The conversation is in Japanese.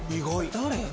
誰？